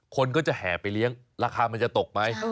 คนก็จะแห่ไปเลี้ยงราคามันจะตกไหม